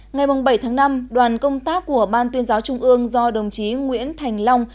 ngày bảy tháng năm đoàn công tác của ban tuyên giáo trung ương do đồng chí nguyễn thành long